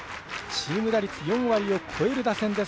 チーム打率４割を超える打率です。